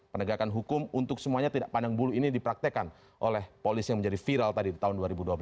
penegakan hukum untuk semuanya tidak pandang bulu ini dipraktekan oleh polisi yang menjadi viral tadi di tahun dua ribu dua belas